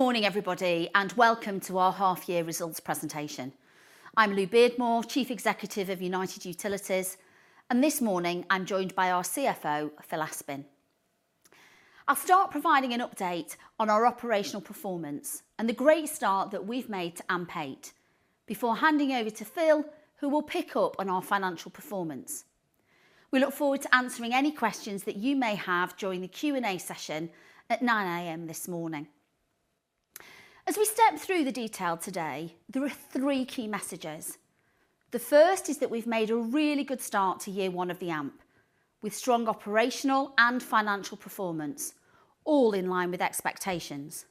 Morning, everybody, and welcome to our half-year results presentation. I'm Lou Beardmore, Chief Executive of United Utilities, and this morning I'm joined by our CFO, Phil Aspin. I'll start providing an update on our operational performance and the great start that we've made to AMP8, before handing over to Phil, who will pick up on our financial performance. We look forward to answering any questions that you may have during the Q&A session at 9:00 A.M. this morning. As we step through the detail today, there are three key messages. The first is that we've made a really good start to year one of the AMP, with strong operational and financial performance, all in line with expectations.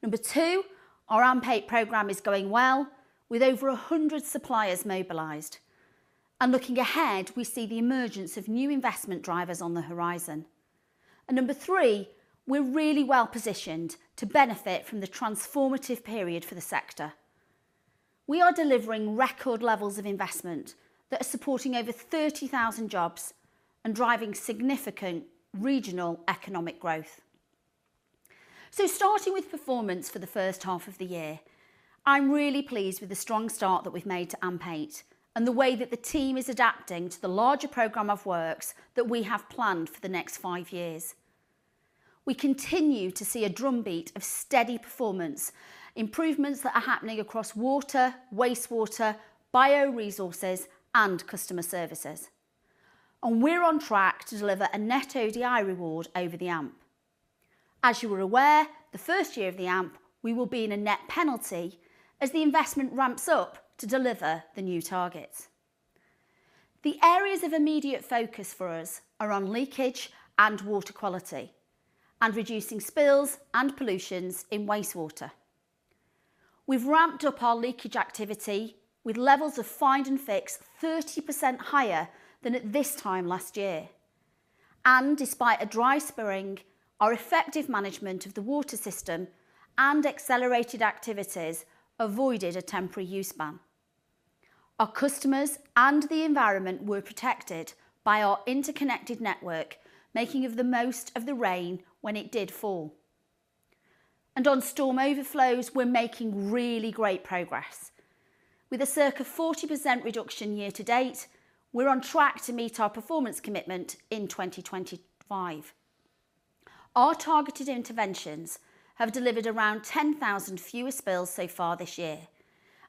Number two, our AMP8 program is going well, with over 100 suppliers mobilized. Looking ahead, we see the emergence of new investment drivers on the horizon. And number three, we're really well positioned to benefit from the transformative period for the sector. We are delivering record levels of investment that are supporting over 30,000 jobs and driving significant regional economic growth. So, starting with performance for the first half of the year, I'm really pleased with the strong start that we've made to AMP8 and the way that the team is adapting to the larger program of works that we have planned for the next five years. We continue to see a drumbeat of steady performance, improvements that are happening across water, wastewater, bioresources, and customer services. And we're on track to deliver a net ODI reward over the AMP. As you were aware, the first year of the AMP, we will be in a net penalty as the investment ramps up to deliver the new targets. The areas of immediate focus for us are on leakage and water quality, and reducing spills and pollution in wastewater. We've ramped up our leakage activity with levels of Find and Fix 30% higher than at this time last year, and despite a dry spring, our effective management of the water system and accelerated activities avoided a Temporary Use Ban. Our customers and the environment were protected by our interconnected network, making the most of the rain when it did fall, and on storm overflows, we're making really great progress. With a circa 40% reduction year to date, we're on track to meet our performance commitment in 2025. Our targeted interventions have delivered around 10,000 fewer spills so far this year,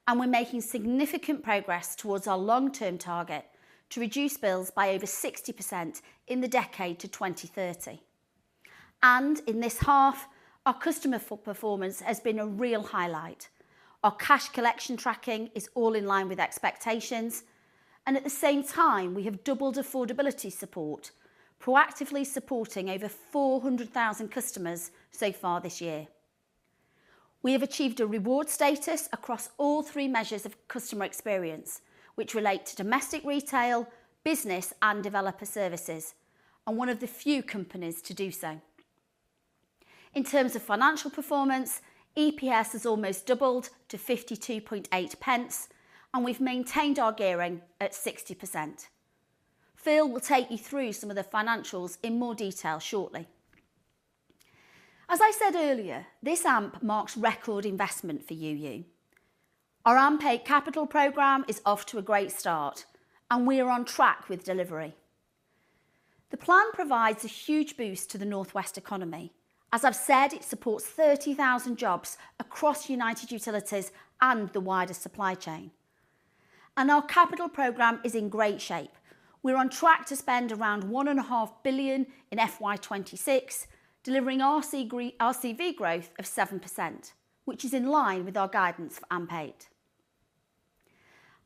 and we're making significant progress towards our long-term target to reduce spills by over 60% in the decade to 2030. And in this half, our customer performance has been a real highlight. Our cash collection tracking is all in line with expectations, and at the same time, we have doubled affordability support, proactively supporting over 400,000 customers so far this year. We have achieved a reward status across all three measures of customer experience, which relate to Domestic Retail, Business, and Developer Services, and one of the few companies to do so. In terms of financial performance, EPS has almost doubled to 0.528, and we've maintained our gearing at 60%. Phil will take you through some of the financials in more detail shortly. As I said earlier, this AMP marks record investment for UU. Our AMP8 capital program is off to a great start, and we are on track with delivery. The plan provides a huge boost to the Northwest economy. As I've said, it supports 30,000 jobs across United Utilities and the wider supply chain. And our capital program is in great shape. We're on track to spend around 1.5 billion in FY26, delivering RCV growth of 7%, which is in line with our guidance for AMP8.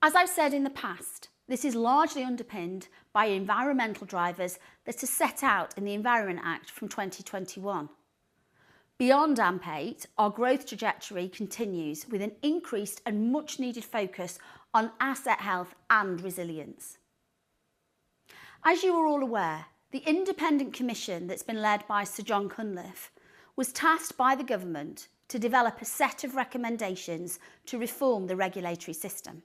As I've said in the past, this is largely underpinned by environmental drivers that are set out in the Environment Act 2021. Beyond AMP8, our growth trajectory continues with an increased and much-needed focus on asset health and resilience. As you are all aware, the Independent Commission that's been led by Sir Jon Cunliffe was tasked by the government to develop a set of recommendations to reform the regulatory system.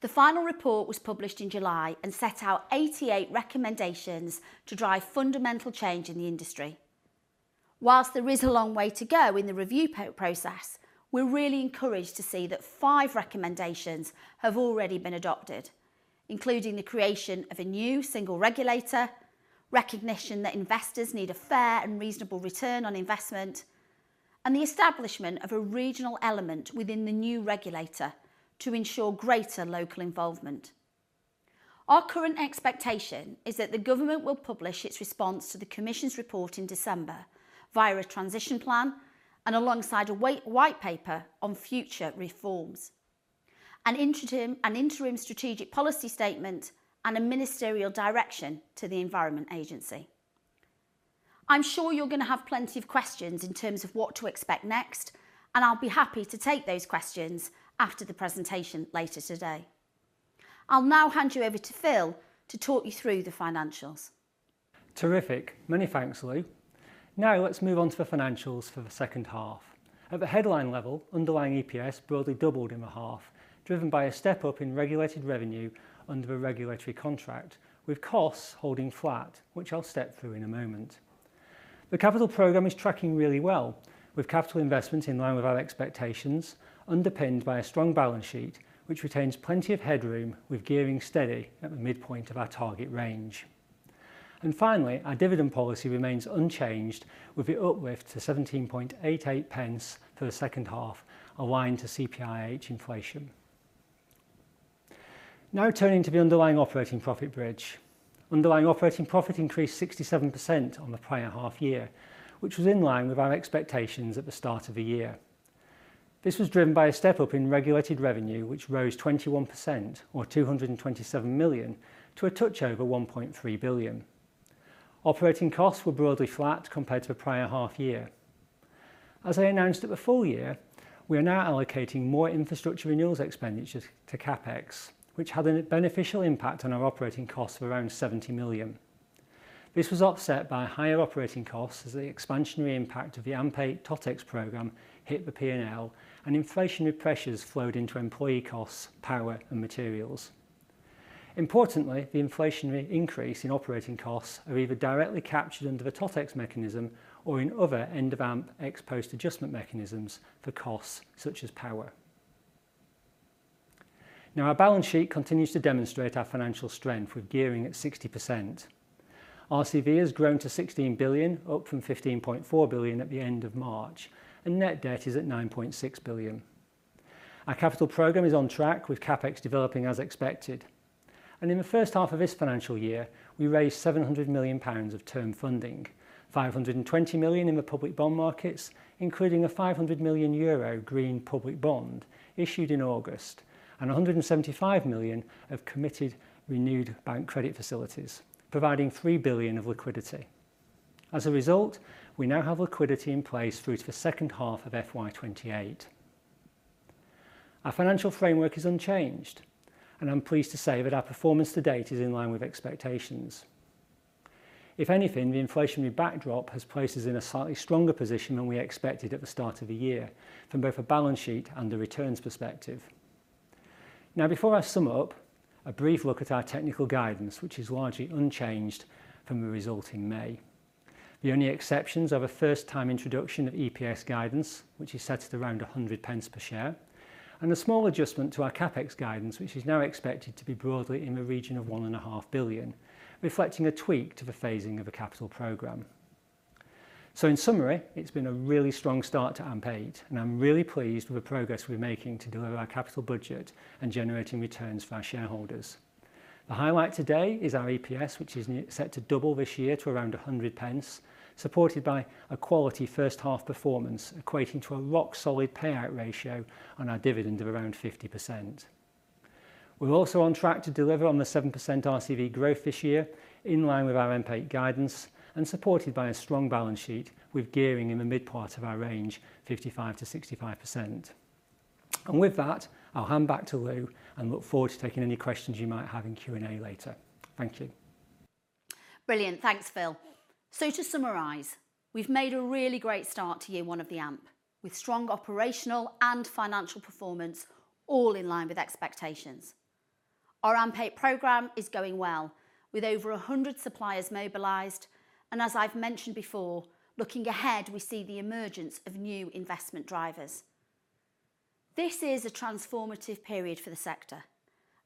The final report was published in July and set out 88 recommendations to drive fundamental change in the industry. While there is a long way to go in the review process, we're really encouraged to see that five recommendations have already been adopted, including the creation of a new single regulator, recognition that investors need a fair and reasonable return on investment, and the establishment of a regional element within the new regulator to ensure greater local involvement. Our current expectation is that the government will publish its response to the commission's report in December via a transition plan and alongside a white paper on future reforms, an Interim Strategic Policy Statement, and a Ministerial Direction to the Environment Agency. I'm sure you're going to have plenty of questions in terms of what to expect next, and I'll be happy to take those questions after the presentation later today. I'll now hand you over to Phil to talk you through the financials. Terrific. Many thanks, Lou. Now let's move on to the financials for the second half. At the headline level, underlying EPS broadly doubled in the half, driven by a step up in regulated revenue under a regulatory contract, with costs holding flat, which I'll step through in a moment. The capital program is tracking really well, with capital investment in line with our expectations, underpinned by a strong balance sheet, which retains plenty of headroom, with gearing steady at the midpoint of our target range. And finally, our dividend policy remains unchanged, with the uplift to 0.1788 for the second half, aligned to CPIH inflation. Now turning to the underlying operating profit bridge. Underlying operating profit increased 67% on the prior half year, which was in line with our expectations at the start of the year. This was driven by a step up in regulated revenue, which rose 21%, or 227 million, to a touch over 1.3 billion. Operating costs were broadly flat compared to the prior half year. As I announced at the full year, we are now allocating more infrastructure renewals expenditures to CapEx, which had a beneficial impact on our operating costs of around 70 million. This was offset by higher operating costs as the expansionary impact of the AMP8 TOTEX program hit the P&L, and inflationary pressures flowed into employee costs, power, and materials. Importantly, the inflationary increase in operating costs are either directly captured under the TOTEX mechanism or in other end-of-AMP ex post adjustment mechanisms for costs such as power. Now, our balance sheet continues to demonstrate our financial strength, with gearing at 60%. RCV has grown to 16 billion, up from 15.4 billion at the end of March, and net debt is at 9.6 billion. Our capital program is on track, with CapEx developing as expected. And in the first half of this financial year, we raised 700 million pounds of term funding, 520 million in the public bond markets, including a 500 million euro green public bond issued in August, and 175 million of committed renewed bank credit facilities, providing 3 billion of liquidity. As a result, we now have liquidity in place through to the second half of FY28. Our financial framework is unchanged, and I'm pleased to say that our performance to date is in line with expectations. If anything, the inflationary backdrop has placed us in a slightly stronger position than we expected at the start of the year, from both a balance sheet and a returns perspective. Now, before I sum up, a brief look at our technical guidance, which is largely unchanged from the result in May. The only exceptions are the first-time introduction of EPS guidance, which is set at around 100 pence per share, and a small adjustment to our CapEx guidance, which is now expected to be broadly in the region of 1.5 billion, reflecting a tweak to the phasing of the capital program. So, in summary, it's been a really strong start to AMP8, and I'm really pleased with the progress we're making to deliver our capital budget and generating returns for our shareholders. The highlight today is our EPS, which is set to double this year to around 100 pence, supported by a quality first half performance equating to a rock-solid payout ratio on our dividend of around 50%. We're also on track to deliver on the 7% RCV growth this year, in line with our AMP8 guidance, and supported by a strong balance sheet with gearing in the midpoint of our range, 55%-65%. And with that, I'll hand back to Lou and look forward to taking any questions you might have in Q&A later. Thank you. Brilliant. Thanks, Phil. So, to summarize, we've made a really great start to year one of the AMP, with strong operational and financial performance all in line with expectations. Our AMP8 program is going well, with over 100 suppliers mobilised, and as I've mentioned before, looking ahead, we see the emergence of new investment drivers. This is a transformative period for the sector,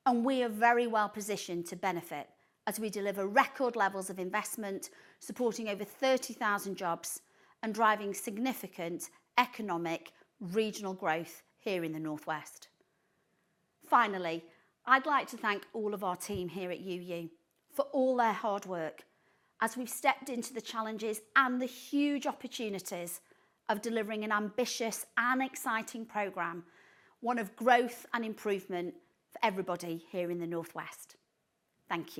and we are very well positioned to benefit as we deliver record levels of investment, supporting over 30,000 jobs and driving significant economic regional growth here in the Northwest. Finally, I'd like to thank all of our team here at UU for all their hard work as we've stepped into the challenges and the huge opportunities of delivering an ambitious and exciting program, one of growth and improvement for everybody here in the Northwest. Thank you.